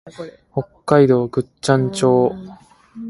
北海道倶知安町